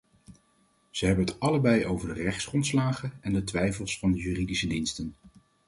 Ze hebben het allebei over de rechtsgrondslagen en de twijfels van de juridische diensten.